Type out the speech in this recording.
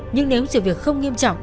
nhưng nếu sự việc không nghiêm trọng